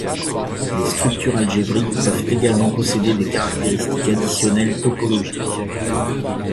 Les structures algébriques peuvent également posséder des caractéristiques additionnelles topologiques.